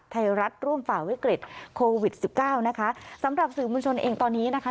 ไทยรัฐร่วมฝ่าวิกฤตโควิดสิบเก้านะคะสำหรับสื่อมวลชนเองตอนนี้นะคะ